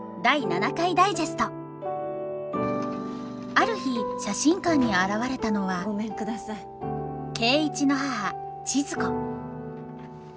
ある日写真館に現れたのは圭一の母千鶴子。